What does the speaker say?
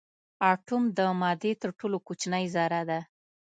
اتوم د مادې تر ټولو کوچنۍ ذره ده.